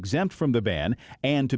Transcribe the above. pemanah kemanusiaan lainnya